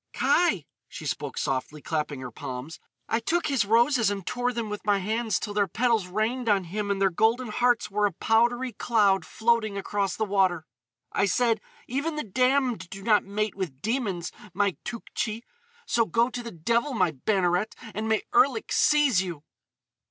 "Kai!" she cried softly, clapping her palms. "I took his roses and tore them with my hands till their petals rained on him and their golden hearts were a powdery cloud floating across the water. "I said: 'Even the damned do not mate with demons, my Tougtchi! So go to the devil, my Banneret, and may Erlik seize you!